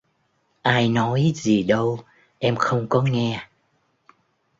Ai nói gì đâu Em không có nghe